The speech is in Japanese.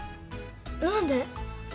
なんで？